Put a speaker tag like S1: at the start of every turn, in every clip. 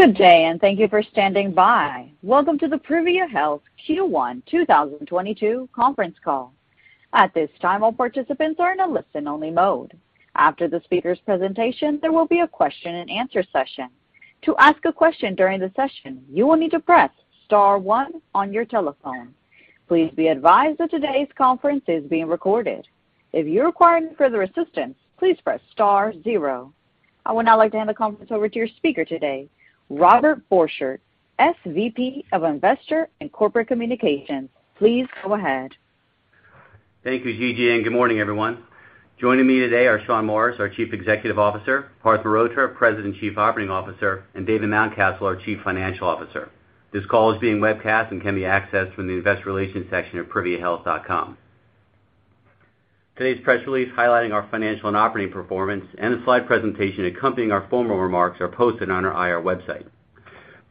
S1: Good day, and thank you for standing by. Welcome to the Privia Health Q1 2022 Conference Call. At this time, all participants are in a listen-only mode. After the speakers' presentation, there will be a question and answer session. To ask a question during the session, you will need to press star one on your telephone. Please be advised that today's conference is being recorded. If you require any further assistance, please press star zero. I would now like to hand the conference over to your speaker today, Robert Borchert, SVP of Investor & Corporate Communications. Please go ahead.
S2: Thank you, Gigi, and good morning, everyone. Joining me today are Shawn Morris, our Chief Executive Officer, Parth Mehrotra, President and Chief Operating Officer, and David Mountcastle, our Chief Financial Officer. This call is being webcast and can be accessed from the investor relations section at priviahealth.com. Today's press release highlighting our financial and operating performance and the slide presentation accompanying our formal remarks are posted on our IR website.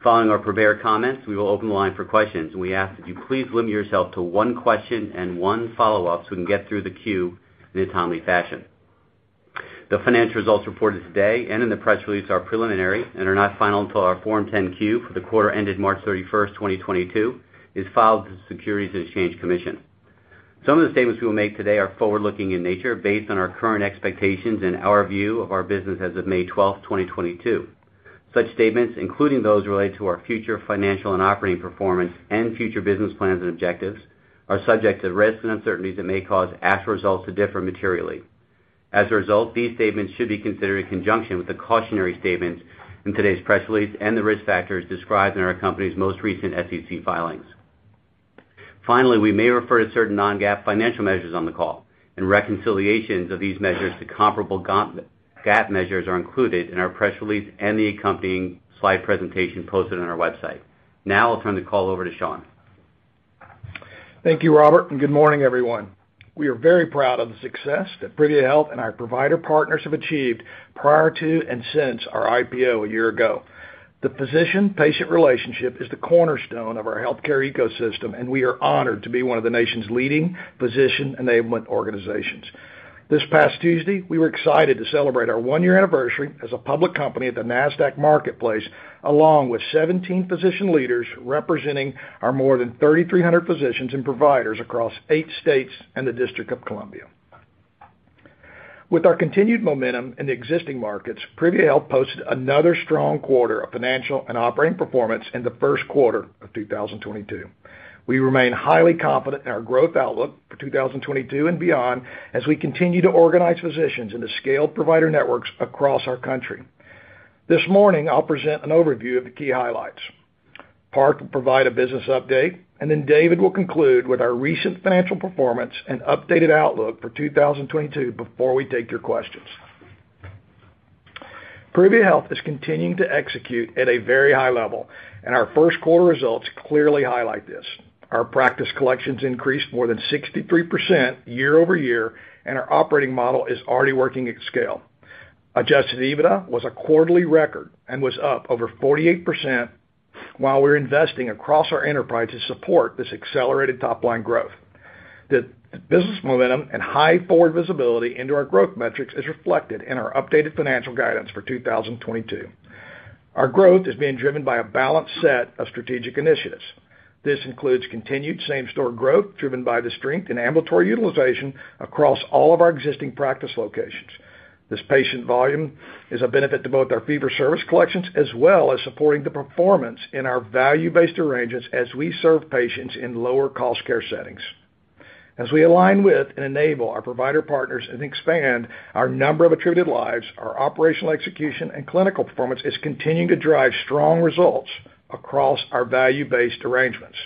S2: Following our prepared comments, we will open the line for questions, and we ask that you please limit yourself to one question and one follow-up so we can get through the queue in a timely fashion. The financial results reported today and in the press release are preliminary and are not final until our Form 10-Q for the quarter ended March 31, 2022 is filed with the Securities and Exchange Commission. Some of the statements we will make today are forward-looking in nature based on our current expectations and our view of our business as of May 12, 2022. Such statements, including those related to our future financial and operating performance and future business plans and objectives, are subject to risks and uncertainties that may cause actual results to differ materially. As a result, these statements should be considered in conjunction with the cautionary statements in today's press release and the risk factors described in our company's most recent SEC filings. Finally, we may refer to certain non-GAAP financial measures on the call and reconciliations of these measures to comparable GAAP measures are included in our press release and the accompanying slide presentation posted on our website. Now I'll turn the call over to Shawn.
S3: Thank you, Robert Borchert, and good morning, everyone. We are very proud of the success that Privia Health and our provider partners have achieved prior to and since our IPO a year ago. The physician-patient relationship is the cornerstone of our healthcare ecosystem, and we are honored to be one of the nation's leading physician enablement organizations. This past Tuesday, we were excited to celebrate our one-year anniversary as a public company at the Nasdaq marketplace, along with 17 physician leaders representing our more than 3,300 physicians and providers across 8 states and the District of Columbia. With our continued momentum in the existing markets, Privia Health posted another strong quarter of financial and operating performance in the first quarter of 2022. We remain highly confident in our growth outlook for 2022 and beyond as we continue to organize physicians into scaled provider networks across our country. This morning, I'll present an overview of the key highlights. Parth will provide a business update, and then David will conclude with our recent financial performance and updated outlook for 2022 before we take your questions. Privia Health is continuing to execute at a very high level, and our first quarter results clearly highlight this. Our practice collections increased more than 63% year-over-year, and our operating model is already working at scale. Adjusted EBITDA was a quarterly record and was up over 48% while we're investing across our enterprise to support this accelerated top-line growth. The business momentum and high forward visibility into our growth metrics is reflected in our updated financial guidance for 2022. Our growth is being driven by a balanced set of strategic initiatives. This includes continued same-store growth driven by the strength in ambulatory utilization across all of our existing practice locations. This patient volume is a benefit to both our fee-for-service collections as well as supporting the performance in our value-based arrangements as we serve patients in lower cost care settings. As we align with and enable our provider partners and expand our number of attributed lives, our operational execution and clinical performance is continuing to drive strong results across our value-based arrangements.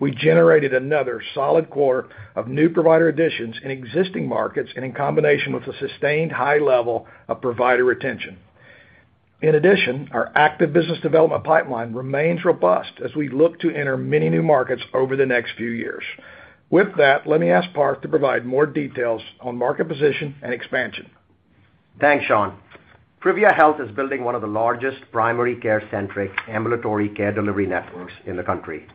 S3: We generated another solid quarter of new provider additions in existing markets and in combination with a sustained high level of provider retention. In addition, our active business development pipeline remains robust as we look to enter many new markets over the next few years. With that, let me ask Parth to provide more details on market position and expansion.
S4: Thanks, Shawn. Privia Health is building one of the largest primary care-centric ambulatory care delivery networks in the country.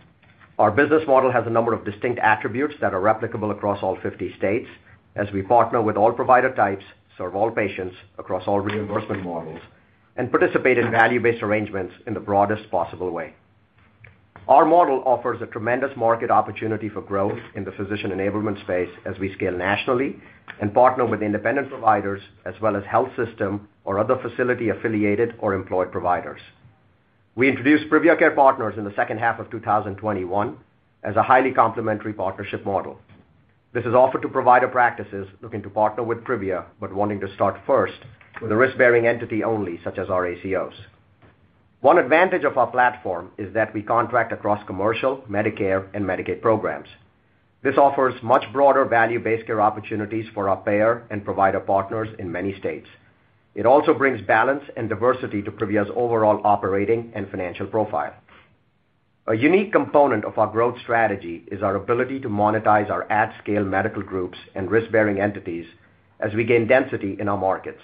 S4: Our business model has a number of distinct attributes that are replicable across all 50 states as we partner with all provider types, serve all patients across all reimbursement models, and participate in value-based arrangements in the broadest possible way. Our model offers a tremendous market opportunity for growth in the physician enablement space as we scale nationally and partner with independent providers as well as health system or other facility-affiliated or employed providers. We introduced Privia Care Partners in the second half of 2021 as a highly complementary partnership model. This is offered to provider practices looking to partner with Privia, but wanting to start first with a risk-bearing entity only, such as our ACOs. One advantage of our platform is that we contract across commercial, Medicare, and Medicaid programs. This offers much broader value-based care opportunities for our payer and provider partners in many states. It also brings balance and diversity to Privia's overall operating and financial profile. A unique component of our growth strategy is our ability to monetize our at-scale medical groups and risk-bearing entities as we gain density in our markets.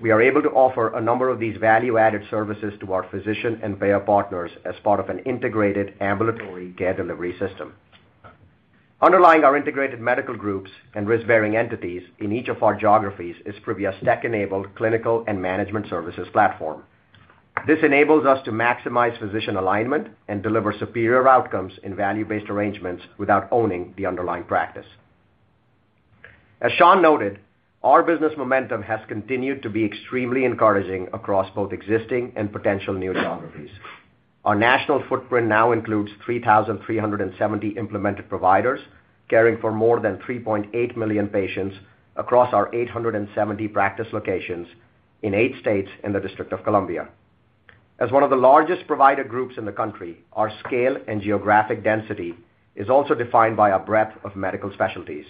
S4: We are able to offer a number of these value-added services to our physician and payer partners as part of an integrated ambulatory care delivery system. Underlying our integrated medical groups and risk-bearing entities in each of our geographies is Privia's tech-enabled clinical and management services platform. This enables us to maximize physician alignment and deliver superior outcomes in value-based arrangements without owning the underlying practice. As Shawn noted, our business momentum has continued to be extremely encouraging across both existing and potential new geographies. Our national footprint now includes 3,370 implemented providers, caring for more than 3.8 million patients across our 870 practice locations in eight states and the District of Columbia. As one of the largest provider groups in the country, our scale and geographic density is also defined by our breadth of medical specialties.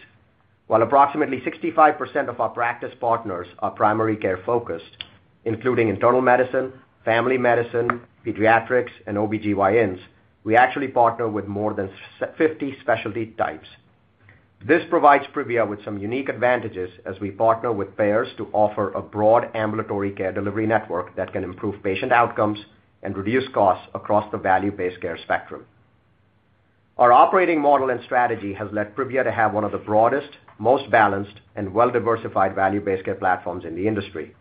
S4: While approximately 65% of our practice partners are primary care-focused, including internal medicine, family medicine, pediatrics, and OBGYNs, we actually partner with more than 50 specialty types. This provides Privia with some unique advantages as we partner with payers to offer a broad ambulatory care delivery network that can improve patient outcomes and reduce costs across the value-based care spectrum. Our operating model and strategy has led Privia to have one of the broadest, most balanced, and well-diversified value-based care platforms in the industry.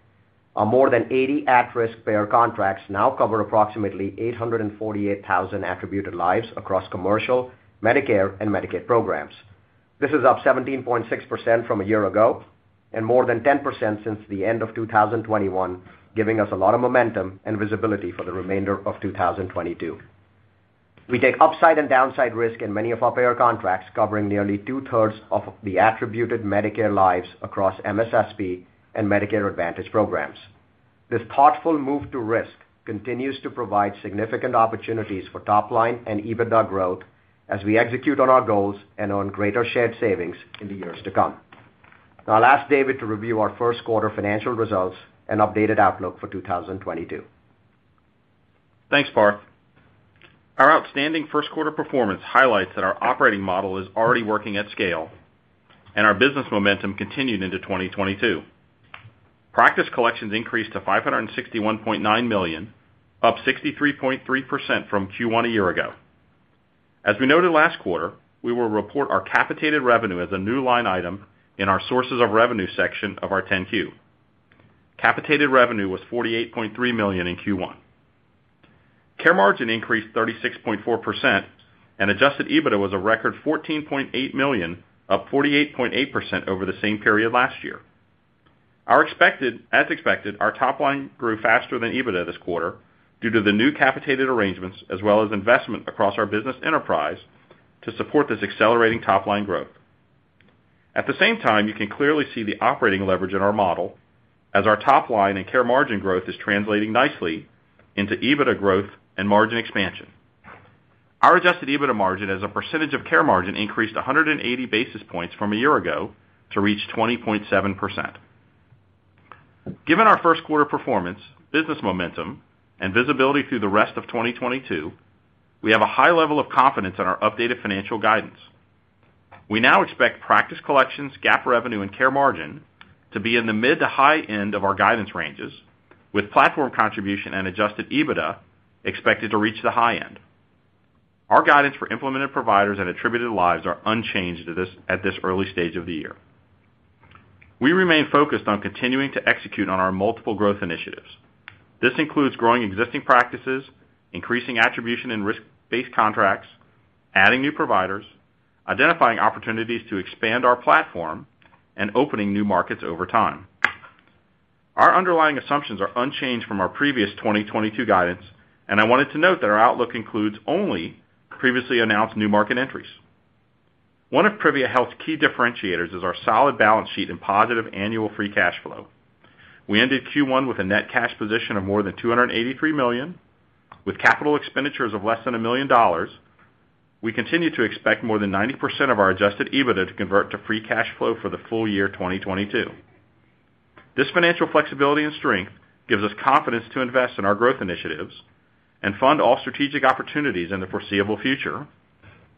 S4: Our more than 80 at-risk payer contracts now cover approximately 848,000 attributed lives across commercial, Medicare, and Medicaid programs. This is up 17.6% from a year ago and more than 10% since the end of 2021, giving us a lot of momentum and visibility for the remainder of 2022. We take upside and downside risk in many of our payer contracts, covering nearly two-thirds of the attributed Medicare lives across MSSP and Medicare Advantage programs. This thoughtful move to risk continues to provide significant opportunities for top line and EBITDA growth as we execute on our goals and earn greater shared savings in the years to come. Now I'll ask David to review our first quarter financial results and updated outlook for 2022.
S5: Thanks, Parth. Our outstanding first quarter performance highlights that our operating model is already working at scale, and our business momentum continued into 2022. Practice Collections increased to $561.9 million, up 63.3% from Q1 a year ago. As we noted last quarter, we will report our Capitated Revenue as a new line item in our sources of revenue section of our 10-Q. Capitated Revenue was $48.3 million in Q1. Care Margin increased 36.4%, and adjusted EBITDA was a record $14.8 million, up 48.8% over the same period last year. As expected, our top line grew faster than EBITDA this quarter due to the new capitated arrangements as well as investment across our business enterprise to support this accelerating top line growth. At the same time, you can clearly see the operating leverage in our model as our top line and Care Margin growth is translating nicely into EBITDA growth and margin expansion. Our adjusted EBITDA margin as a percentage of Care Margin increased 100 basis points from a year ago to reach 20.7%. Given our first quarter performance, business momentum, and visibility through the rest of 2022, we have a high level of confidence in our updated financial guidance. We now expect Practice Collections, GAAP revenue, and Care Margin to be in the mid to high end of our guidance ranges, with Platform Contribution and adjusted EBITDA expected to reach the high end. Our guidance for Implemented Providers and Attributed Lives are unchanged at this early stage of the year. We remain focused on continuing to execute on our multiple growth initiatives. This includes growing existing practices, increasing attribution and risk-based contracts, adding new providers, identifying opportunities to expand our platform, and opening new markets over time. Our underlying assumptions are unchanged from our previous 2022 guidance, and I wanted to note that our outlook includes only previously announced new market entries. One of Privia Health's key differentiators is our solid balance sheet and positive annual free cash flow. We ended Q1 with a net cash position of more than $283 million, with capital expenditures of less than $1 million. We continue to expect more than 90% of our adjusted EBITDA to convert to free cash flow for the full year 2022. This financial flexibility and strength gives us confidence to invest in our growth initiatives and fund all strategic opportunities in the foreseeable future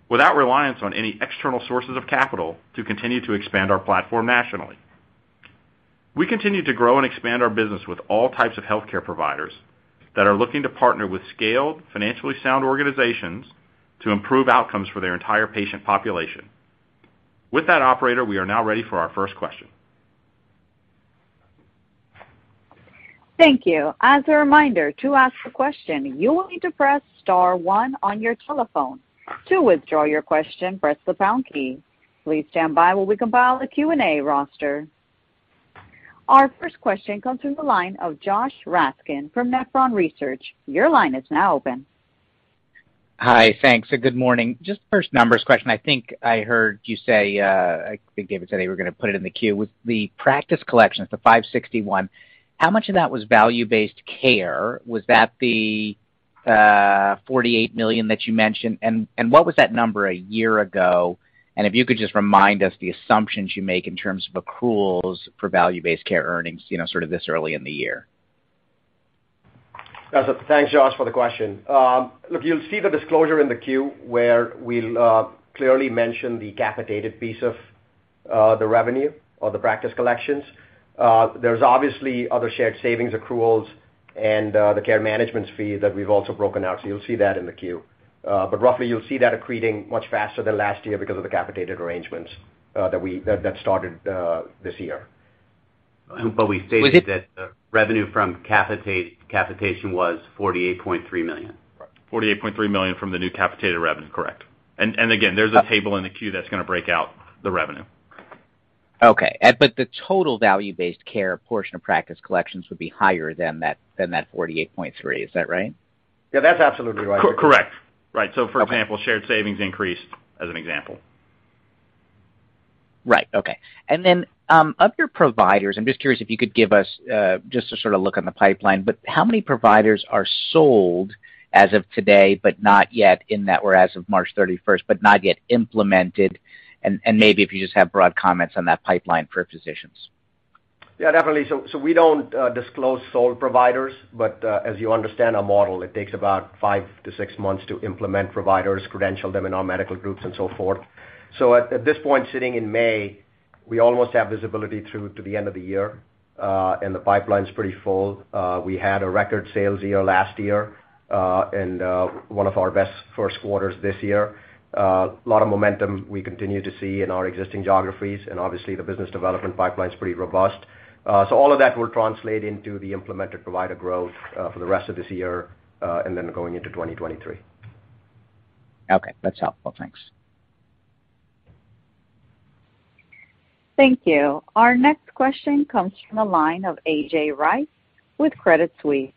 S5: without reliance on any external sources of capital to continue to expand our platform nationally. We continue to grow and expand our business with all types of healthcare providers that are looking to partner with scaled, financially sound organizations to improve outcomes for their entire patient population. With that, Operator, we are now ready for our first question.
S1: Thank you. As a reminder, to ask a question, you will need to press star one on your telephone. To withdraw your question, press the pound key. Please stand by while we compile a Q&A roster. Our first question comes from the line of Josh Raskin from Nephron Research. Your line is now open.
S6: Hi. Thanks, and good morning. Just first numbers question. I think I heard you say, I think David said they were gonna put it in the 10-Q. With the Practice Collections, the $561, how much of that was value-based care? Was that the $48 million that you mentioned? What was that number a year ago? If you could just remind us the assumptions you make in terms of accruals for value-based care earnings, you know, sort of this early in the year.
S3: Thanks, Josh, for the question. Look, you'll see the disclosure in the Q where we'll clearly mention the capitated piece of The revenue or the Practice Collections. There's obviously other shared savings accruals and the care management fee that we've also broken out. You'll see that in the 10-Q. Roughly, you'll see that accreting much faster than last year because of the capitated arrangements that started this year.
S5: We stated that the revenue from capitation was $48.3 million. $48.3 million from the new capitated revenue, correct. Again, there's a table in the Q that's gonna break out the revenue.
S6: Okay, the total value-based care portion of Practice Collections would be higher than that 48.3%. Is that right?
S4: Yeah, that's absolutely right.
S5: Correct. Right. For example, shared savings increased as an example.
S6: Right. Okay. Of your providers, I'm just curious if you could give us just a sort of look on the pipeline, but how many providers are sold as of today, but not yet in that or as of March 31st, but not yet implemented? And maybe if you just have broad comments on that pipeline for physicians.
S4: Yeah, definitely. We don't disclose sold providers, but as you understand our model, it takes about 5 to 6 months to implement providers, credential them in our medical groups, and so forth. At this point, sitting in May, we almost have visibility through to the end of the year, and the pipeline's pretty full. We had a record sales year last year, and one of our best first quarters this year. A lot of momentum we continue to see in our existing geographies, and obviously, the business development pipeline's pretty robust. All of that will translate into the implemented provider growth for the rest of this year, and then going into 2023.
S6: Okay. That's helpful. Thanks.
S1: Thank you. Our next question comes from the line of A.J. Rice with Credit Suisse.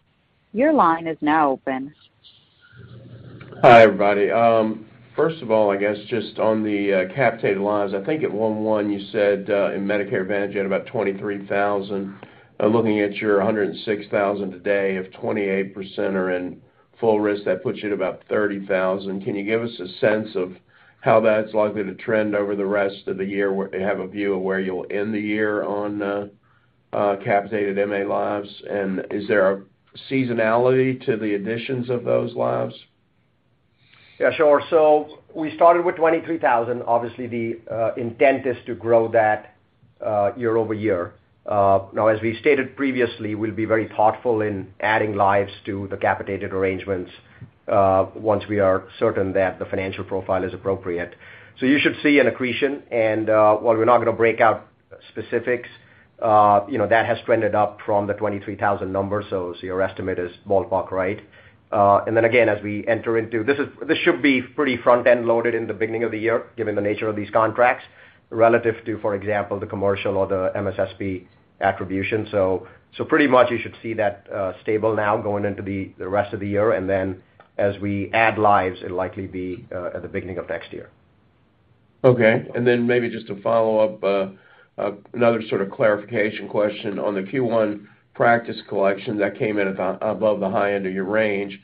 S1: Your line is now open.
S7: Hi, everybody. First of all, I guess just on the capitated lives, I think at Q1, you said in Medicare Advantage, you had about 23,000. I'm looking at your 106,000 today. If 28% are in full risk, that puts you at about 30,000. Can you give us a sense of how that's likely to trend over the rest of the year, where they have a view of where you'll end the year on capitated MA lives? Is there a seasonality to the additions of those lives?
S4: Yeah, sure. We started with 23,000. Obviously, the intent is to grow that year-over-year. Now, as we stated previously, we'll be very thoughtful in adding lives to the capitated arrangements once we are certain that the financial profile is appropriate. You should see an accretion. While we're not gonna break out specifics, you know, that has trended up from the 23,000 number. Your estimate is ballpark, right. This should be pretty front-end loaded in the beginning of the year given the nature of these contracts, relative to, for example, the commercial or the MSSP attribution. Pretty much you should see that stable now going into the rest of the year. As we add lives, it'll likely be at the beginning of next year.
S7: Okay. Maybe just to follow up, another sort of clarification question on the Q1 Practice Collections that came in above the high end of your range.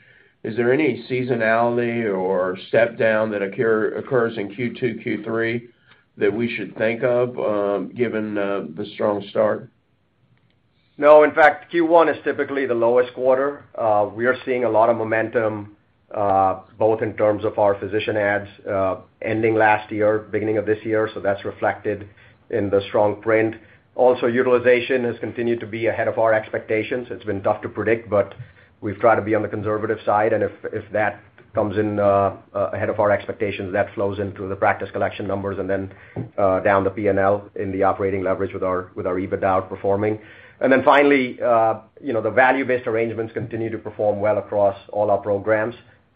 S7: Is there any seasonality or step down that occurs in Q2, Q3 that we should think of, given the strong start?
S4: No. In fact, Q1 is typically the lowest quarter. We are seeing a lot of momentum, both in terms of our physician adds, ending last year, beginning of this year, so that's reflected in the strong trend. Also, utilization has continued to be ahead of our expectations. It's been tough to predict, but we've tried to be on the conservative side. If that comes in ahead of our expectations, that flows into the practice collection numbers and then down the P&L in the operating leverage with our EBITDA outperforming. Then finally, you know, the value-based arrangements continue to perform well across all our programs.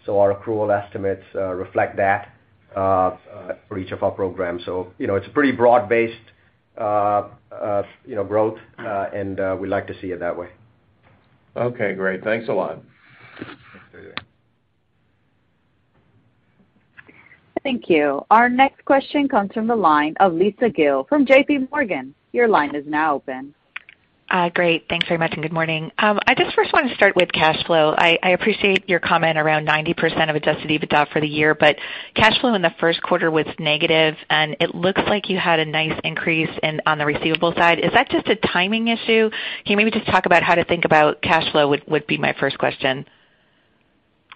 S4: Our accrual estimates reflect that for each of our programs. You know, it's a pretty broad-based, you know, growth, and we like to see it that way.
S7: Okay, great. Thanks a lot.
S4: Thanks for doing it.
S1: Thank you. Our next question comes from the line of Lisa Gill from JPMorgan. Your line is now open.
S8: Great. Thanks very much, and good morning. I just first wanna start with cash flow. I appreciate your comment around 90% of adjusted EBITDA for the year, but cash flow in the first quarter was negative, and it looks like you had a nice increase on the receivable side. Is that just a timing issue? Can you maybe just talk about how to think about cash flow, would be my first question.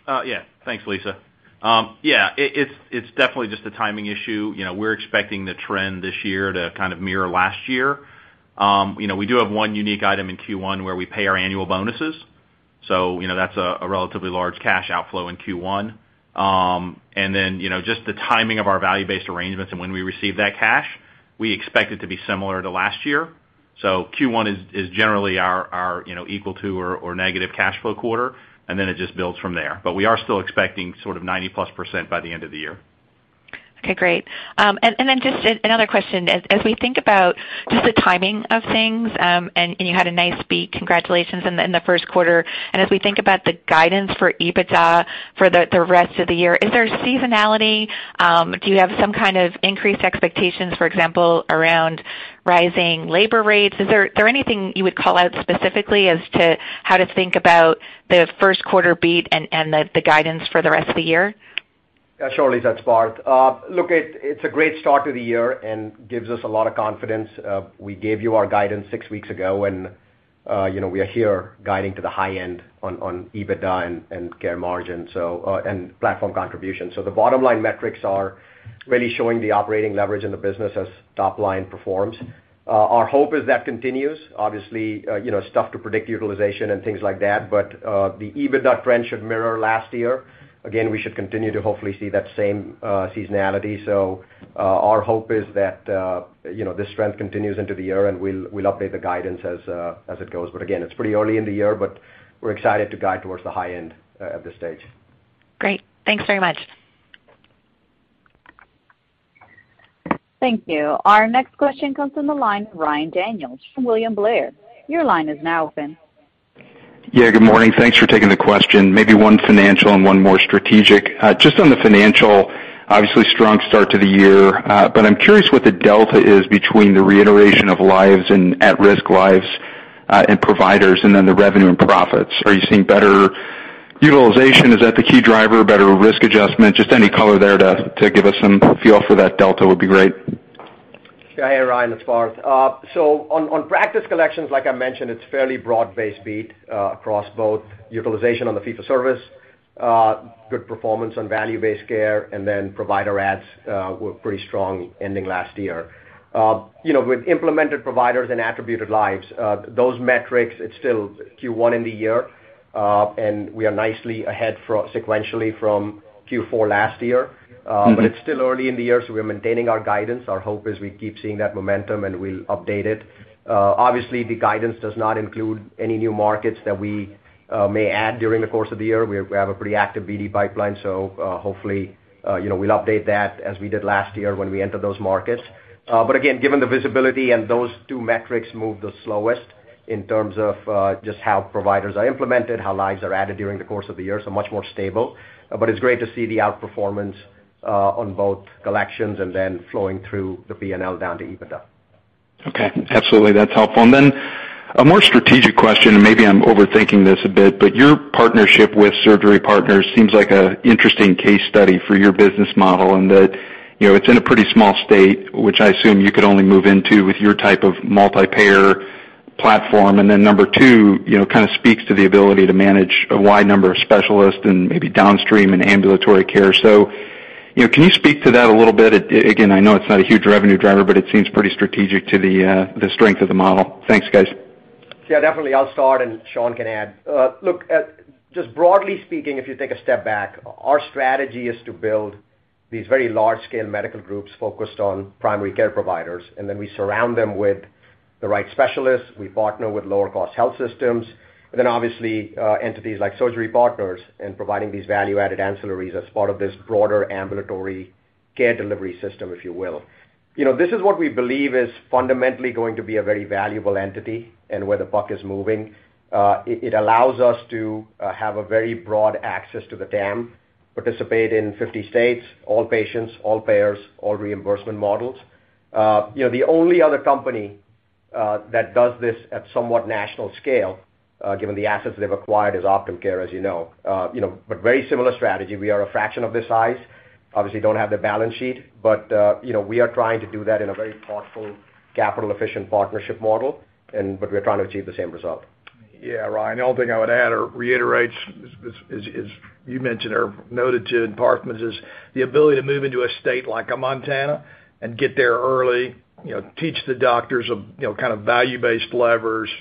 S5: Yeah. Thanks, Lisa. Yeah, it's definitely just a timing issue. You know, we're expecting the trend this year to kind of mirror last year. You know, we do have one unique item in Q1 where we pay our annual bonuses, so you know that's a relatively large cash outflow in Q1. Then you know just the timing of our value-based arrangements and when we receive that cash, we expect it to be similar to last year. Q1 is generally our you know equal to or negative cash flow quarter, and then it just builds from there. We are still expecting sort of 90+% by the end of the year.
S8: Okay, great. Just another question. As we think about just the timing of things, you had a nice beat, congratulations in the first quarter. As we think about the guidance for EBITDA for the rest of the year, is there seasonality? Do you have some kind of increased expectations, for example, around rising labor rates? Is there anything you would call out specifically as to how to think about the first quarter beat and the guidance for the rest of the year?
S4: Yeah, sure, Lisa. It's Parth. Look, it's a great start to the year and gives us a lot of confidence. We gave you our guidance six weeks ago, and you know, we are here guiding to the high end on EBITDA and Care Margin, so, and Platform Contribution. The bottom line metrics are really showing the operating leverage in the business as top line performs. Our hope is that continues. Obviously, you know, it's tough to predict utilization and things like that, but the EBITDA trend should mirror last year. Again, we should continue to hopefully see that same seasonality. Our hope is that, you know, this trend continues into the year, and we'll update the guidance as it goes. Again, it's pretty early in the year, but we're excited to guide towards the high end at this stage.
S8: Great. Thanks very much.
S1: Thank you. Our next question comes from the line of Ryan Daniels from William Blair. Your line is now open.
S9: Yeah, good morning. Thanks for taking the question. Maybe one financial and one more strategic. Just on the financial, obviously strong start to the year, but I'm curious what the delta is between the reiteration of lives and at-risk lives, and providers and then the revenue and profits. Are you seeing better utilization? Is that the key driver, better risk adjustment? Just any color there to give us some feel for that delta would be great.
S4: Yeah. Ryan, it's Parth. On practice collections, like I mentioned, it's fairly broad-based beat across both utilization on the fee-for-service, good performance on value-based care, and then provider adds were pretty strong ending last year. You know, with implemented providers and attributed lives, those metrics. It's still Q1 in the year, and we are nicely ahead sequentially from Q4 last year. It's still early in the year, so we're maintaining our guidance. Our hope is we keep seeing that momentum, and we'll update it. Obviously, the guidance does not include any new markets that we may add during the course of the year. We have a pretty active BD pipeline, so hopefully, you know, we'll update that as we did last year when we enter those markets. Again, given the visibility and those two metrics move the slowest in terms of just how providers are implemented, how lives are added during the course of the year, so much more stable. It's great to see the outperformance on both collections and then flowing through the P&L down to EBITDA.
S9: Okay. Absolutely. That's helpful. Then a more strategic question, and maybe I'm overthinking this a bit, but your partnership with Surgery Partners seems like an interesting case study for your business model in that, you know, it's in a pretty small state, which I assume you could only move into with your type of multi-payer platform. Then number two, you know, kind of speaks to the ability to manage a wide number of specialists and maybe downstream and ambulatory care. You know, can you speak to that a little bit? Again, I know it's not a huge revenue driver, but it seems pretty strategic to the strength of the model. Thanks, guys.
S4: Yeah, definitely. I'll start, and Shawn can add. Look, just broadly speaking, if you take a step back, our strategy is to build these very large-scale medical groups focused on primary care providers, and then we surround them with the right specialists. We partner with lower cost health systems, and then obviously, entities like Surgery Partners and providing these value-added ancillaries as part of this broader ambulatory care delivery system, if you will. You know, this is what we believe is fundamentally going to be a very valuable entity and where the buck is moving. It allows us to have a very broad access to the TAM, participate in 50 states, all patients, all payers, all reimbursement models. You know, the only other company that does this at somewhat national scale, given the assets they've acquired, is Optum Care, as you know. You know, very similar strategy. We are a fraction of their size. Obviously, don't have the balance sheet, but you know, we are trying to do that in a very thoughtful, capital-efficient partnership model but we're trying to achieve the same result.
S3: Yeah, Ryan, the only thing I would add or reiterate is you mentioned or noted too, and Parth mentioned this, the ability to move into a state like Montana and get there early, you know, teach the doctors of, you know, kind of value-based levers.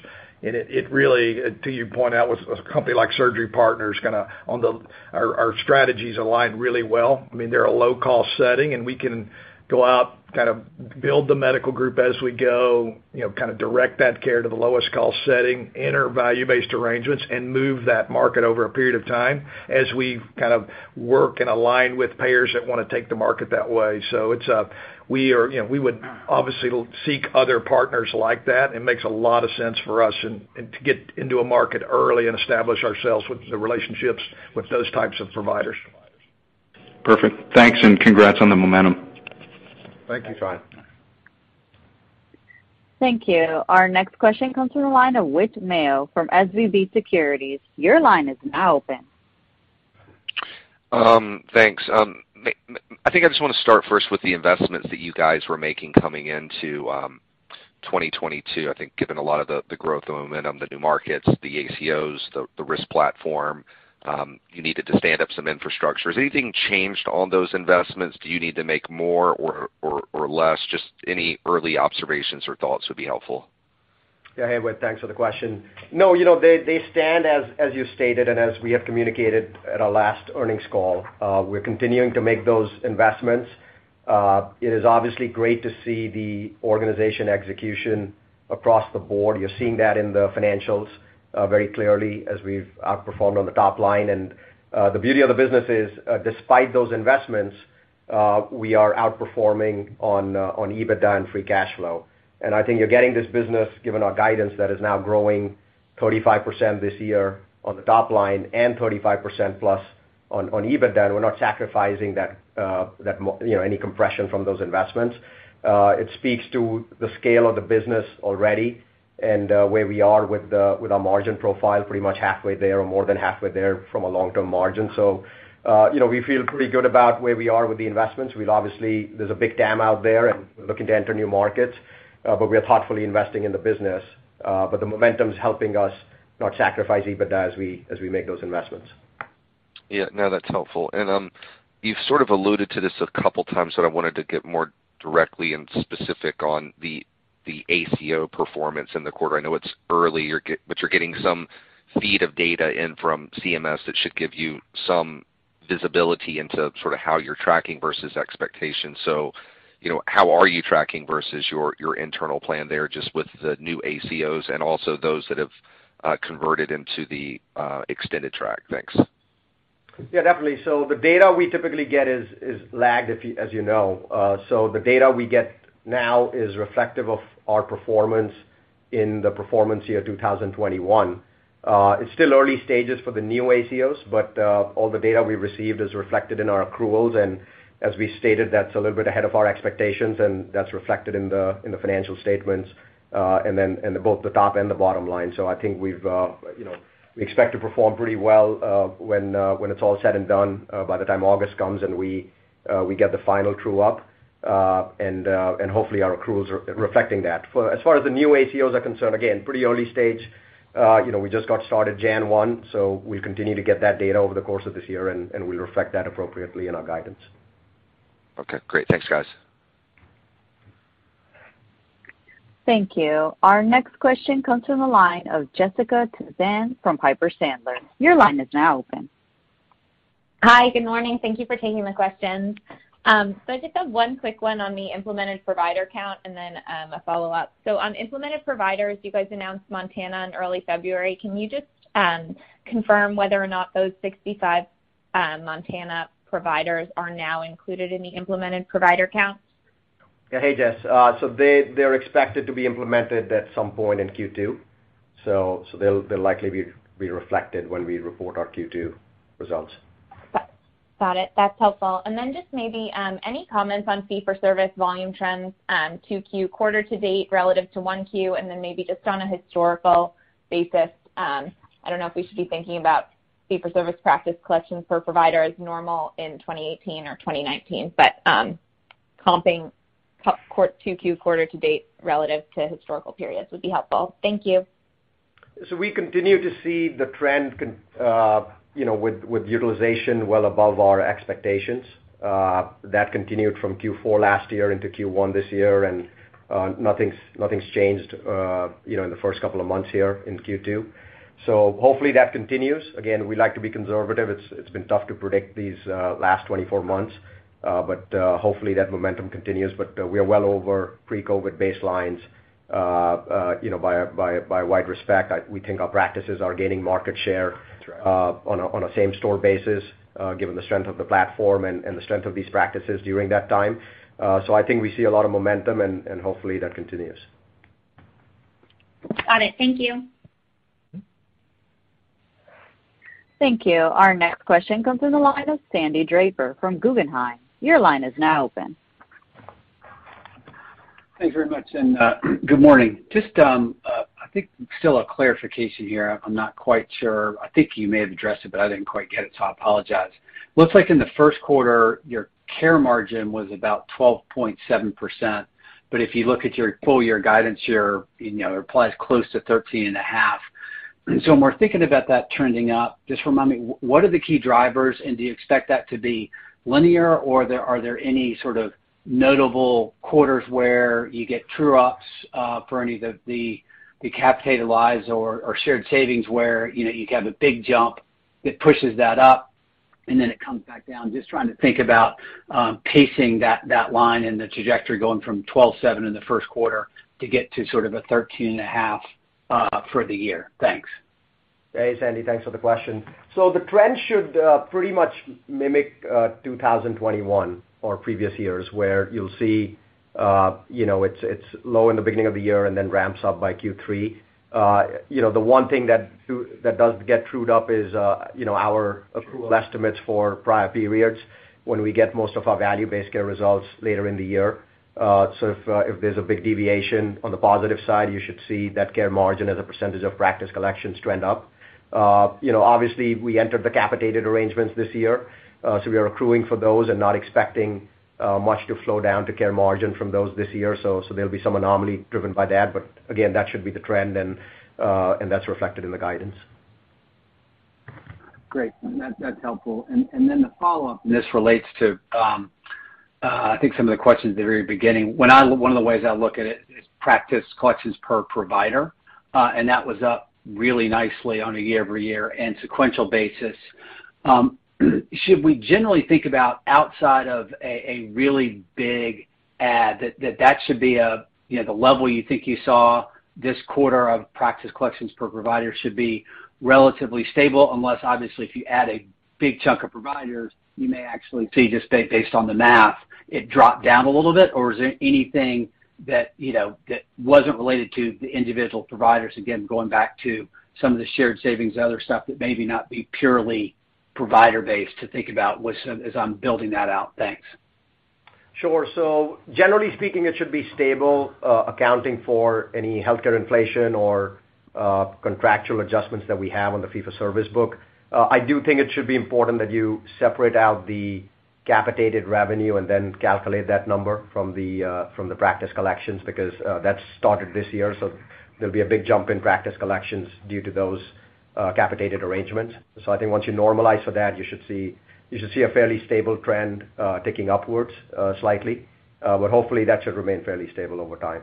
S3: It really, to your point, works with a company like Surgery Partners, kind of, and our strategies align really well. I mean, they're a low-cost setting, and we can go out, kind of build the medical group as we go, you know, kind of direct that care to the lowest cost setting, enter value-based arrangements, and move that market over a period of time as we kind of work and align with payers that wanna take the market that way. We are, you know, we would obviously seek other partners like that. It makes a lot of sense for us and to get into a market early and establish ourselves with the relationships with those types of providers.
S9: Perfect. Thanks, and congrats on the momentum.
S3: Thank you, Ryan.
S4: Thanks.
S1: Thank you. Our next question comes from the line of Whit Mayo from SVB Securities. Your line is now open.
S10: Thanks. I think I just wanna start first with the investments that you guys were making coming into 2022. I think given a lot of the growth, the momentum, the new markets, the ACOs, the risk platform, you needed to stand up some infrastructure. Has anything changed on those investments? Do you need to make more or less? Just any early observations or thoughts would be helpful.
S4: Yeah. Hey, Whit. Thanks for the question. No, you know, they stand as you stated and as we have communicated at our last earnings call. We're continuing to make those investments. It is obviously great to see the organization execution across the board. You're seeing that in the financials very clearly as we've outperformed on the top line. The beauty of the business is, despite those investments, we are outperforming on EBITDA and free cash flow. I think you're getting this business, given our guidance, that is now growing 35% this year on the top line and 35% plus on EBITDA. We're not sacrificing that you know, any compression from those investments. It speaks to the scale of the business already and where we are with our margin profile, pretty much halfway there or more than halfway there from a long-term margin. You know, we feel pretty good about where we are with the investments. We're looking to enter new markets, but we are thoughtfully investing in the business. The momentum's helping us not sacrifice EBITDA as we make those investments.
S10: Yeah. No, that's helpful. You've sort of alluded to this a couple times, but I wanted to get more directly and specific on the ACO performance in the quarter. I know it's early, but you're getting some feed of data in from CMS that should give you some visibility into sort of how you're tracking versus expectations. You know, how are you tracking versus your internal plan there just with the new ACOs and also those that have converted into the extended track? Thanks.
S4: Yeah, definitely. The data we typically get is lagged, as you know. The data we get now is reflective of our performance in the performance year 2021. It's still early stages for the new ACOs, but all the data we've received is reflected in our accruals. As we stated, that's a little bit ahead of our expectations, and that's reflected in the financial statements and both the top and the bottom line. I think we've, you know, we expect to perform pretty well when it's all said and done, by the time August comes and we get the final true-up, and hopefully our accruals are reflecting that. As far as the new ACOs are concerned, again, pretty early stage. You know, we just got started January 1, so we continue to get that data over the course of this year, and we reflect that appropriately in our guidance.
S10: Okay, great. Thanks, guys.
S1: Thank you. Our next question comes from the line of Jessica Tassan from Piper Sandler. Your line is now open.
S11: Hi, good morning. Thank you for taking the questions. I just have one quick one on the Implemented Providers count and then, a follow-up. On Implemented Providers, you guys announced Montana in early February. Can you just confirm whether or not those 65 Montana providers are now included in the Implemented Providers count?
S3: Yeah. Hey, Jess. They're expected to be implemented at some point in Q2. They'll likely be reflected when we report our Q2 results.
S11: Got it. That's helpful. Just maybe any comments on fee-for-service volume trends 2Q quarter to date relative to 1Q? Then maybe just on a historical basis, I don't know if we should be thinking about fee-for-service practice collections per provider as normal in 2018 or 2019. Comping Q/Q 2Q quarter to date relative to historical periods would be helpful. Thank you.
S4: We continue to see the trend, you know, with utilization well above our expectations. That continued from Q4 last year into Q1 this year, nothing's changed, you know, in the first couple of months here in Q2. Hopefully that continues. Again, we like to be conservative. It's been tough to predict these last 24 months, but hopefully that momentum continues. We are well over pre-COVID baselines, you know, by a wide margin. We think our practices are gaining market share on a same store basis, given the strength of the platform and the strength of these practices during that time. I think we see a lot of momentum and hopefully that continues.
S11: Got it. Thank you.
S1: Thank you. Our next question comes on the line of Sandy Draper from Guggenheim. Your line is now open.
S12: Thanks very much and good morning. Just I think still a clarification here. I'm not quite sure. I think you may have addressed it, but I didn't quite get it, so I apologize. Looks like in the first quarter, your Care Margin was about 12.7%. If you look at your full year guidance, you're, you know, implies close to 13.5%. When we're thinking about that trending up, just remind me, what are the key drivers, and do you expect that to be linear, or are there any sort of notable quarters where you get true-ups for any of the capitated lives or shared savings where, you know, you have a big jump that pushes that up and then it comes back down? Just trying to think about pacing that line and the trajectory going from 12.7 in the first quarter to get to sort of a 13.5 for the year. Thanks.
S4: Hey, Sandy. Thanks for the question. The trend should pretty much mimic 2021 or previous years, where you'll see you know, it's low in the beginning of the year and then ramps up by Q3. You know, the one thing that does get trued up is you know, our accrual estimates for prior periods when we get most of our value-based care results later in the year. If there's a big deviation on the positive side, you should see that Care Margin as a percentage of Practice Collections trend up. You know, obviously we entered capitated arrangements this year, so we are accruing for those and not expecting much to flow down to Care Margin from those this year. There'll be some anomaly driven by that. Again, that should be the trend and that's reflected in the guidance.
S12: Great. That's helpful. The follow-up, this relates to, I think, some of the questions at the very beginning. One of the ways I look at it is practice collections per provider, and that was up really nicely on a year-over-year and sequential basis. Should we generally think about outside of a really big add that should be, you know, the level you think you saw this quarter of practice collections per provider should be relatively stable unless obviously if you add a big chunk of providers, you may actually see just based on the math, it dropped down a little bit? is there anything that, you know, that wasn't related to the individual providers, again, going back to some of the shared savings, other stuff that maybe not be purely provider based to think about with some as I'm building that out? Thanks.
S4: Sure. Generally speaking, it should be stable, accounting for any healthcare inflation or contractual adjustments that we have on the fee-for-service book. I do think it should be important that you separate out the capitated revenue and then calculate that number from the practice collections because that started this year, so there'll be a big jump in practice collections due to those capitated arrangements. I think once you normalize for that, you should see a fairly stable trend ticking upwards slightly. Hopefully that should remain fairly stable over time.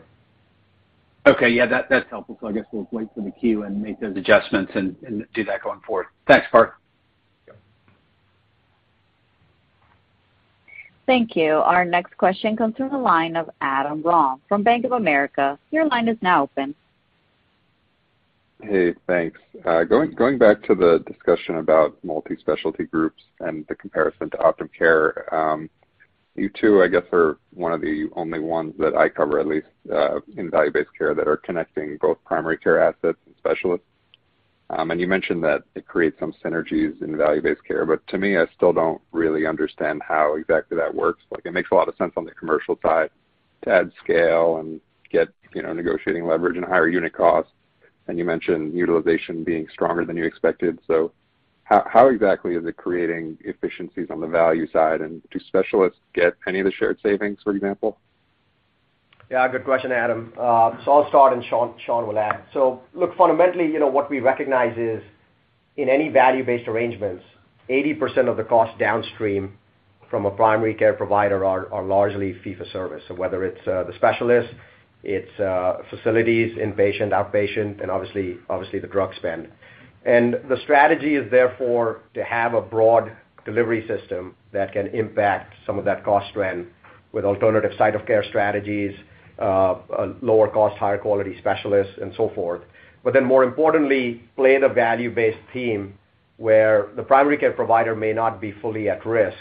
S12: Okay. Yeah. That's helpful. I guess we'll wait for the Q and make those adjustments and do that going forward. Thanks, Parth.
S1: Thank you. Our next question comes from the line of Adam Ron from Bank of America. Your line is now open.
S13: Hey, thanks. Going back to the discussion about multi-specialty groups and the comparison to Optum Care. You two, I guess, are one of the only ones that I cover at least in value-based care that are connecting both primary care assets and specialists. You mentioned that it creates some synergies in value-based care. To me, I still don't really understand how exactly that works. Like, it makes a lot of sense on the commercial side to add scale and get, you know, negotiating leverage and higher unit costs. You mentioned utilization being stronger than you expected. How exactly is it creating efficiencies on the value side? Do specialists get any of the shared savings, for example?
S4: Yeah, good question, Adam. I'll start, and Shawn will add. Look, fundamentally, you know, what we recognize is in any value-based arrangements, 80% of the costs downstream from a primary care provider are largely fee-for-service, so whether it's the specialist, facilities, inpatient, outpatient, and obviously the drug spend. The strategy is therefore to have a broad delivery system that can impact some of that cost trend with alternative site of care strategies, lower cost, higher quality specialists and so forth. More importantly, play the value-based game where the primary care provider may not be fully at risk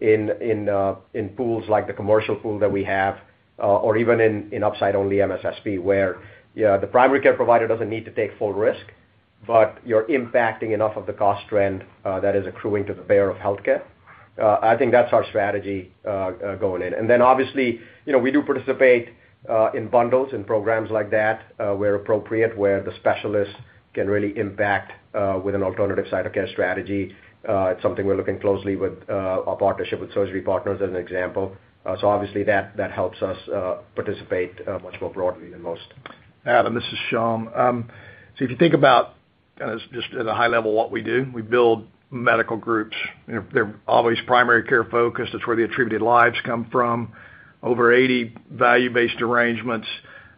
S4: in pools like the commercial pool that we have, or even in upside only MSSP, where, you know, the primary care provider doesn't need to take full risk, but you're impacting enough of the cost trend that is accruing to the payer of healthcare. I think that's our strategy going in. Obviously, you know, we do participate in bundles and programs like that, where appropriate, where the specialists can really impact with an alternative site of care strategy. It's something we're looking closely with our partnership with Surgery Partners as an example. Obviously that helps us participate much more broadly than most.
S3: Adam Ron, this is Shawn Morris. So if you think about, kinda just at a high level what we do, we build medical groups. They're always primary care focused. That's where the attributed lives come from. Over 80 value-based arrangements.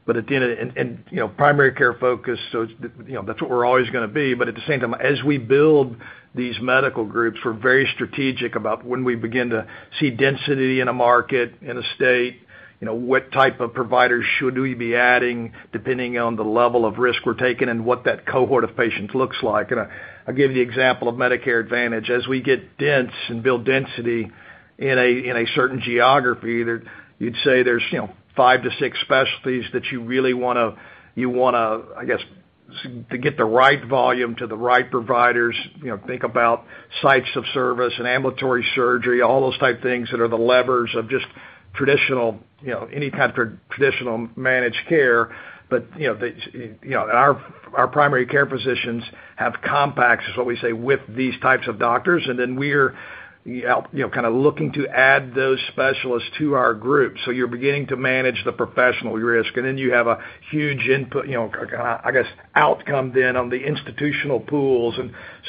S3: At the end, you know, primary care focused, so it's, you know, that's what we're always gonna be. At the same time, as we build these medical groups, we're very strategic about when we begin to see density in a market, in a state, you know, what type of providers should we be adding depending on the level of risk we're taking and what that cohort of patients looks like. I'll give you the example of Medicare Advantage. As we get dense and build density in a certain geography, there you'd say there's, you know, 5-6 specialties that you really wanna to get the right volume to the right providers, you know, think about sites of service and ambulatory surgery, all those type of things that are the levers of just traditional, you know, any type of traditional managed care. You know, they, you know, our primary care physicians have compacts, is what we say, with these types of doctors, and then we're, you know, kind of looking to add those specialists to our group. You're beginning to manage the professional risk. Then you have a huge input, you know, I guess, outcome then on the institutional pools.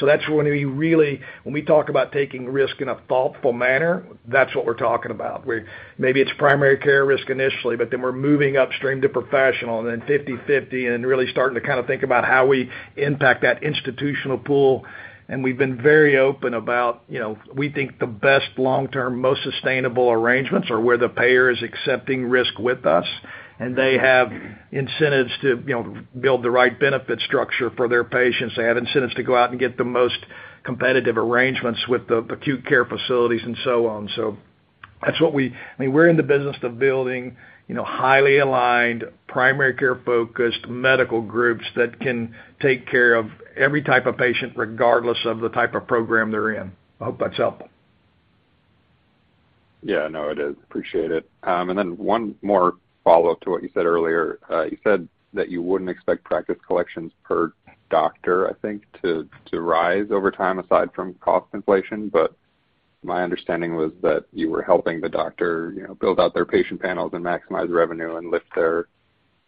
S3: When we talk about taking risk in a thoughtful manner, that's what we're talking about, where maybe it's primary care risk initially, but then we're moving upstream to professional and then 50/50 and really starting to kinda think about how we impact that institutional pool. We've been very open about, you know, we think the best long-term, most sustainable arrangements are where the payer is accepting risk with us, and they have incentives to, you know, build the right benefit structure for their patients. They have incentives to go out and get the most competitive arrangements with the acute care facilities and so on. I mean, we're in the business of building, you know, highly aligned, primary care-focused medical groups that can take care of every type of patient, regardless of the type of program they're in. I hope that's helpful.
S13: Yeah, no, it is. Appreciate it. One more follow-up to what you said earlier. You said that you wouldn't expect Practice Collections per doctor, I think, to rise over time aside from cost inflation. My understanding was that you were helping the doctor, you know, build out their patient panels and maximize revenue and lift their,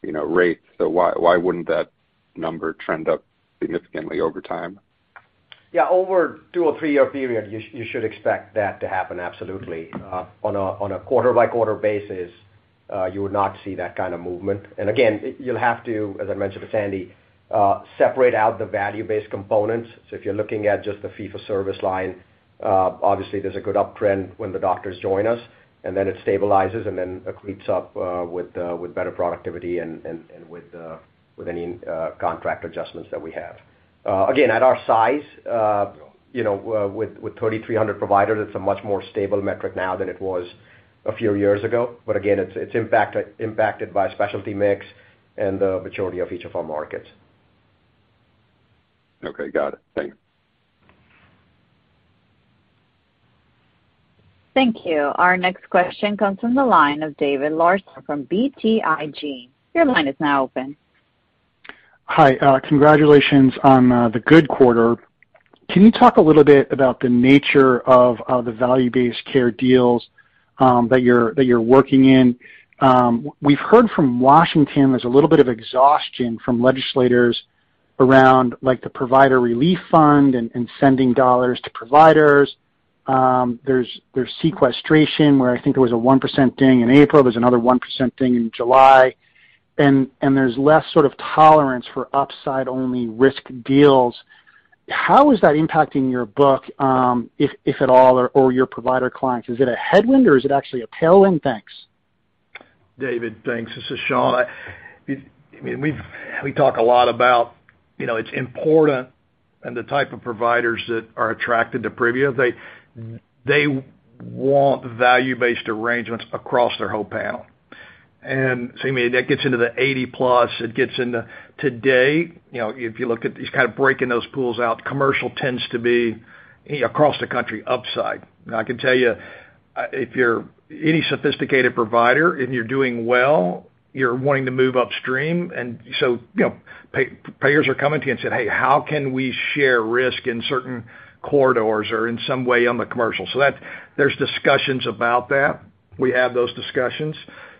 S13: you know, rates. Why wouldn't that number trend up significantly over time?
S4: Yeah. Over two- or three-year period, you should expect that to happen, absolutely. On a quarter-by-quarter basis, you would not see that kind of movement. Again, you'll have to, as I mentioned with Sandy, separate out the value-based components. If you're looking at just the fee-for-service line, obviously there's a good uptrend when the doctors join us, and then it stabilizes and then it creeps up with better productivity and with any contract adjustments that we have. Again, at our size, you know, with 3,300 providers, it's a much more stable metric now than it was a few years ago. Again, it's impacted by specialty mix and the maturity of each of our markets.
S13: Okay, got it. Thank you.
S1: Thank you. Our next question comes from the line of David Larsen from BTIG. Your line is now open.
S14: Hi, congratulations on the good quarter. Can you talk a little bit about the nature of the value-based care deals that you're working in? We've heard from Washington, there's a little bit of exhaustion from legislators around like the Provider Relief Fund and sending dollars to providers. There's sequestration, where I think there was a 1% thing in April. There's another 1% thing in July. There's less sort of tolerance for upside-only risk deals. How is that impacting your book, if at all, or your provider clients? Is it a headwind or is it actually a tailwind? Thanks.
S3: David, thanks. This is Shawn. We talk a lot about, you know, it's important and the type of providers that are attracted to Privia. They want value-based arrangements across their whole panel. I mean, that gets into the 80+. It gets into today, you know, if you look at just kind of breaking those pools out, commercial tends to be across the country upside. I can tell you, if you're any sophisticated provider, and you're doing well, you're wanting to move upstream. You know, payers are coming to you and saying, Hey, how can we share risk in certain corridors or in some way on the commercial? There's discussions about that. We have those discussions.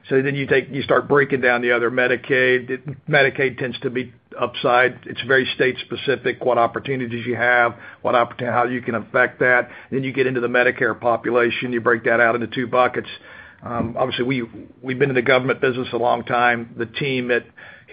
S3: You start breaking down the other Medicaid. Medicaid tends to be upside. It's very state specific, what opportunities you have, how you can affect that. Then you get into the Medicare population, you break that out into two buckets. Obviously, we've been in the government business a long time. The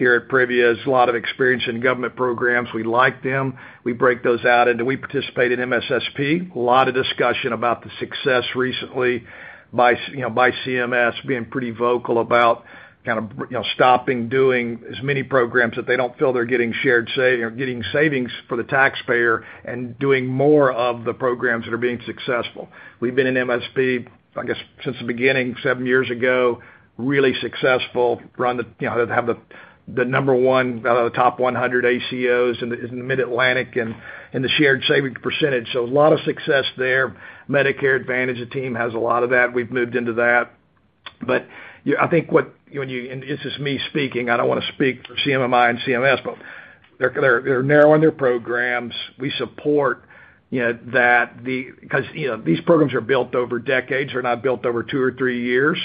S3: team here at Privia has a lot of experience in government programs. We like them. We break those out into. We participate in MSSP. A lot of discussion about the success recently, you know, by CMS being pretty vocal about kind of, you know, stopping doing as many programs that they don't feel they're getting shared savings for the taxpayer and doing more of the programs that are being successful. We've been in MSSP, I guess, since the beginning, 7 years ago, really successful, you know, have the number one out of the top 100 ACOs in the Mid-Atlantic and in the shared savings percentage. A lot of success there. Medicare Advantage, the team has a lot of that. We've moved into that. You know, I think this is me speaking, I don't wanna speak for CMMI and CMS, but they're narrowing their programs. We support, you know, that the. Because, you know, these programs are built over decades. They're not built over two or three years.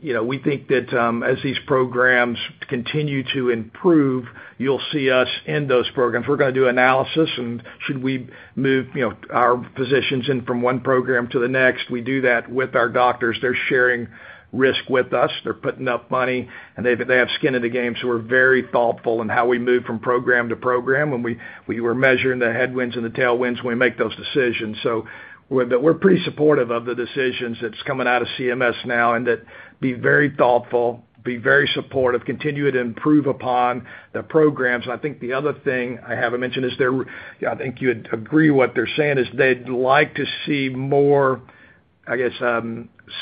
S3: You know, we think that as these programs continue to improve, you'll see us in those programs. We're gonna do analysis, and should we move, you know, our positions in from one program to the next? We do that with our doctors. They're sharing risk with us. They're putting up money, and they have skin in the game, so we're very thoughtful in how we move from program to program. We were measuring the headwinds and the tailwinds when we make those decisions. We're pretty supportive of the decisions that's coming out of CMS now, and that be very thoughtful, be very supportive, continue to improve upon the programs. I think the other thing I haven't mentioned is I think you'd agree what they're saying is they'd like to see more, I guess,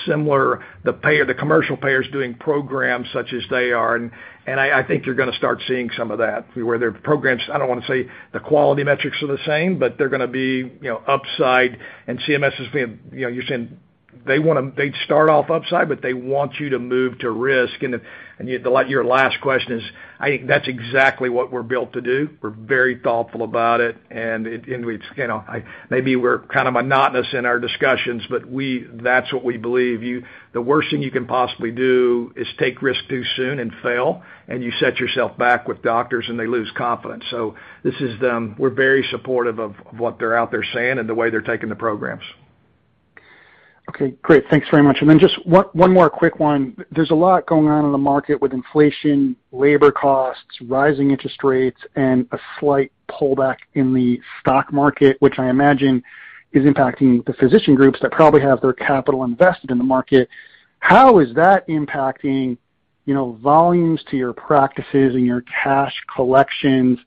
S3: similar, the payer, the commercial payers doing programs such as they are. I think you're gonna start seeing some of that, where their programs, I don't wanna say the quality metrics are the same, but they're gonna be, you know, upside. CMS is being, you know, you're saying they'd start off upside, but they want you to move to risk. Like, your last question is, I think that's exactly what we're built to do. We're very thoughtful about it, and we, you know, maybe we're kind of monotonous in our discussions, but that's what we believe. The worst thing you can possibly do is take risk too soon and fail, and you set yourself back with doctors, and they lose confidence. This is them. We're very supportive of what they're out there saying and the way they're taking the programs.
S14: Okay, great. Thanks very much. Just one more quick one. There's a lot going on in the market with inflation, labor costs, rising interest rates, and a slight pullback in the stock market, which I imagine is impacting the physician groups that probably have their capital invested in the market. How is that impacting, you know, volumes to your practices and your cash collections?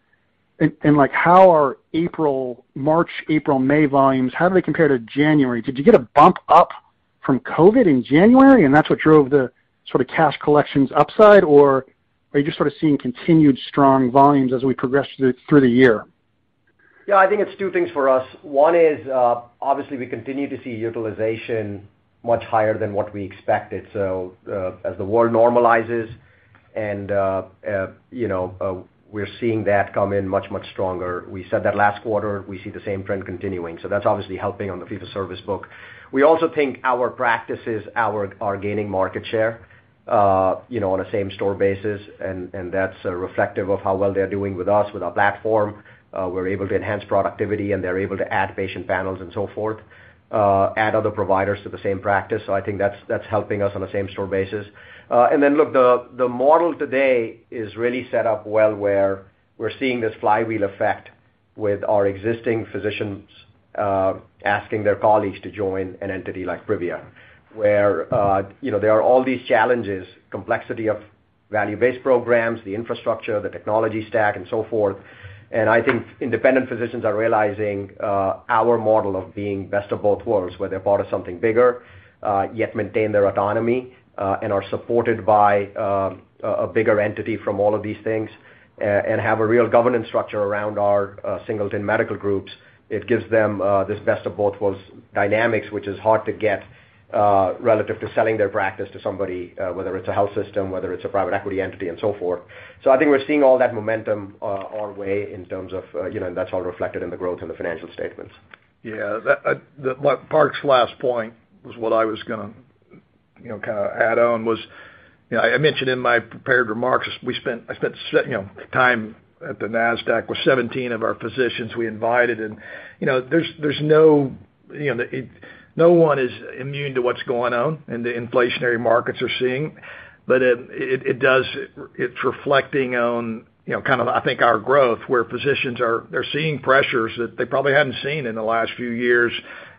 S14: And like, how are April, March, April, May volumes, how do they compare to January? Did you get a bump up from COVID in January, and that's what drove the sort of cash collections upside? Or are you just sort of seeing continued strong volumes as we progress through the year?
S4: Yeah. I think it's two things for us. One is, obviously, we continue to see utilization much higher than what we expected. As the world normalizes and, you know, we're seeing that come in much, much stronger. We said that last quarter. We see the same trend continuing. That's obviously helping on the fee-for-service book. We also think our practices are gaining market share, you know, on a same-store basis. That's reflective of how well they're doing with us, with our platform. We're able to enhance productivity, and they're able to add patient panels and so forth, add other providers to the same practice. I think that's helping us on a same-store basis. Look, the model today is really set up well, where we're seeing this flywheel effect with our existing physicians asking their colleagues to join an entity like Privia, where you know there are all these challenges, complexity of Value-based programs, the infrastructure, the technology stack, and so forth. I think independent physicians are realizing our model of being best of both worlds, where they're part of something bigger, yet maintain their autonomy, and are supported by a bigger entity from all of these things, and have a real governance structure around our medical group entities. It gives them this best of both worlds dynamics, which is hard to get, relative to selling their practice to somebody, whether it's a health system, whether it's a private equity entity and so forth. I think we're seeing all that momentum our way in terms of you know, and that's all reflected in the growth in the financial statements.
S3: Yeah. Parth's last point was what I was gonna, you know, kind of add on. I mentioned in my prepared remarks, I spent, you know, time at the Nasdaq with 17 of our physicians we invited. You know, there's no one is immune to what's going on in the inflationary markets are seeing. But it's reflecting on, you know, kind of I think our growth, where physicians are—they're seeing pressures that they probably hadn't seen in the last few years,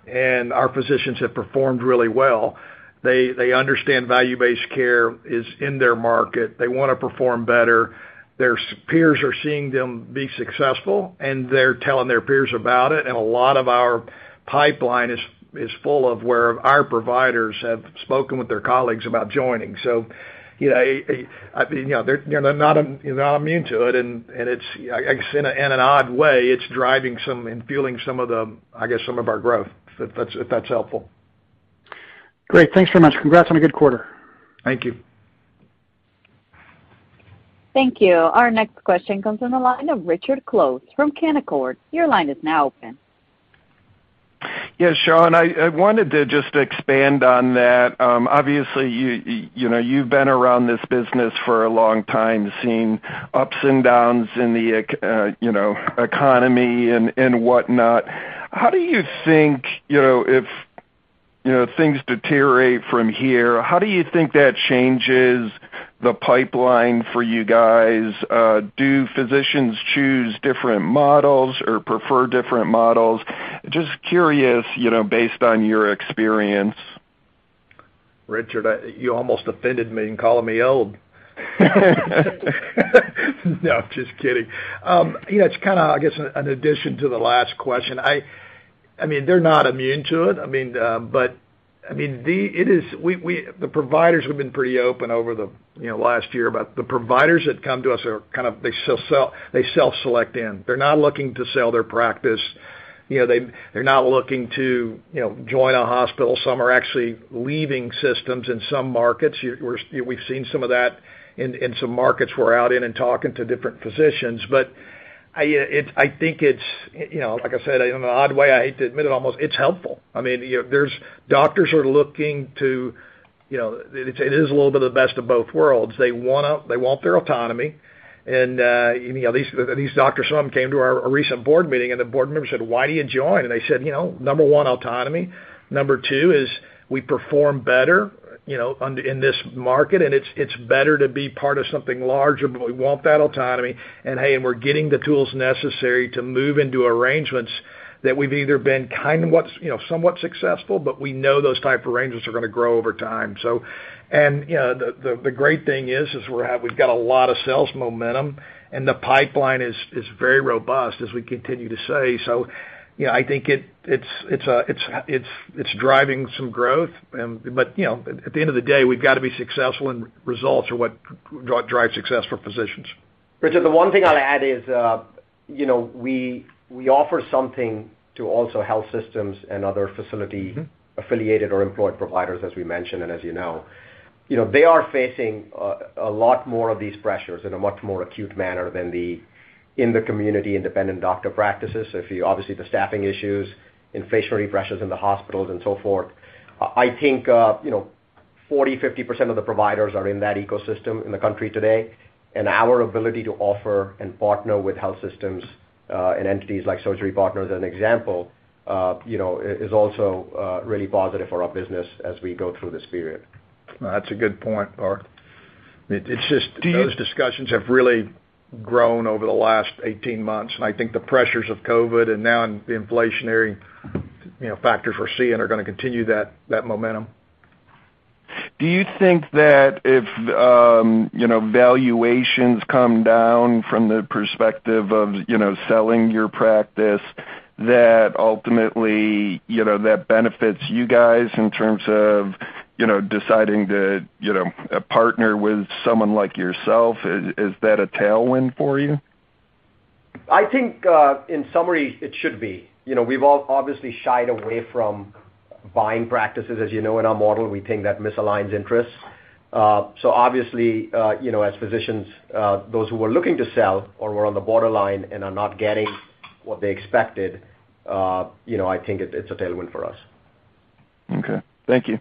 S3: and our physicians have performed really well. They understand value-based care is in their market. They wanna perform better. Their peers are seeing them be successful, and they're telling their peers about it. A lot of our pipeline is full of where our providers have spoken with their colleagues about joining. You know, I think, you know, they're not immune to it. It's, I guess, in an odd way, driving some and fueling some of the, I guess, some of our growth, if that's helpful.
S14: Great. Thanks so much. Congrats on a good quarter.
S3: Thank you.
S1: Thank you. Our next question comes from the line of Richard Close from Canaccord Genuity. Your line is now open.
S15: Yes, Shawn, I wanted to just expand on that. Obviously, you know, you've been around this business for a long time, seeing ups and downs in the economy and whatnot. How do you think, you know, if things deteriorate from here, how do you think that changes the pipeline for you guys? Do physicians choose different models or prefer different models? Just curious, you know, based on your experience.
S3: Richard, you almost offended me in calling me old. No, just kidding. You know, it's kinda, I guess, an addition to the last question. I mean, they're not immune to it. I mean, but the providers have been pretty open over the, you know, last year, but the providers that come to us are kind of they self-select in. They're not looking to sell their practice. You know, they're not looking to, you know, join a hospital. Some are actually leaving systems in some markets. We've seen some of that in some markets we're out in and talking to different physicians. But I think it's, you know, like I said, in an odd way, I hate to admit it almost, it's helpful. I mean, doctors are looking to, you know, it is a little bit of the best of both worlds. They want their autonomy. You know, these doctors, some of them came to our recent board meeting, and the board members said, Why do you join? They said, you know, Number one, autonomy. Number two is we perform better, you know, on in this market, and it's better to be part of something larger, but we want that autonomy. Hey, we're getting the tools necessary to move into arrangements that we've either been you know, somewhat successful, but we know those type of arrangements are gonna grow over time. You know, the great thing is we've got a lot of sales momentum, and the pipeline is very robust, as we continue to say. You know, I think it's driving some growth, but you know, at the end of the day, we've got to be successful, and results are what drive success for physicians.
S4: Richard, the one thing I'll add is, you know, we offer something to also health systems and other facility affiliated or employed providers, as we mentioned and as you know. You know, they are facing a lot more of these pressures in a much more acute manner than in the community independent doctor practices. Obviously, the staffing issues, inflationary pressures in the hospitals and so forth. I think, you know, 40%-50% of the providers are in that ecosystem in the country today, and our ability to offer and partner with health systems and entities like Surgery Partners, as an example, you know, is also really positive for our business as we go through this period.
S3: That's a good point, Parth. It's just those discussions have really grown over the last 18 months, and I think the pressures of COVID and now the inflationary, you know, factors we're seeing are gonna continue that momentum.
S15: Do you think that if, you know, valuations come down from the perspective of, you know, selling your practice, that ultimately, you know, that benefits you guys in terms of, you know, deciding to, you know, partner with someone like yourself, is that a tailwind for you?
S4: I think, in summary, it should be. You know, we've all obviously shied away from buying practices. As you know, in our model, we think that misaligns interests. Obviously, you know, as physicians, those who are looking to sell or were on the borderline and are not getting what they expected, you know, I think it's a tailwind for us.
S15: Okay. Thank you.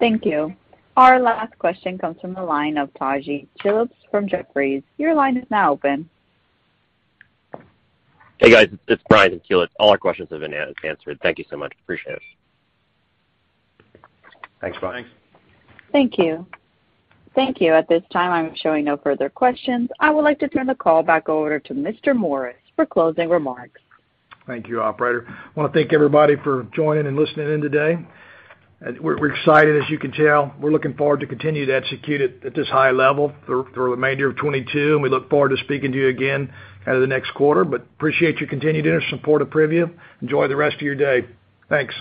S1: Thank you. Our last question comes from the line of Brian Tanquilut from Jefferies. Your line is now open.
S16: Hey, guys. It's Brian Tanquilut. All our questions have been answered. Thank you so much. Appreciate it.
S3: Thanks, Brian.
S4: Thanks.
S1: Thank you. Thank you. At this time, I'm showing no further questions. I would like to turn the call back over to Mr. Morris for closing remarks.
S3: Thank you, operator. Wanna thank everybody for joining and listening in today. We're excited, as you can tell. We're looking forward to continue to execute at this high level through the remainder of 2022, and we look forward to speaking to you again at the next quarter. Appreciate your continued interest and support of Privia. Enjoy the rest of your day. Thanks.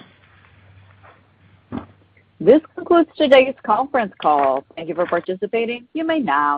S1: This concludes today's conference call. Thank you for participating. You may now disconnect.